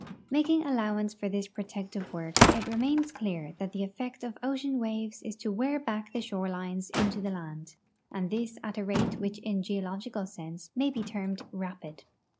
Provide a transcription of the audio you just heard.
Making al lowance for this protective work, it remains clear that the effect of ocean waves is to wear back the shorelines into the land, and this at a rate which in a geological sense may be termed rapid.